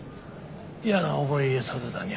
嫌な思いさせたにゃあ。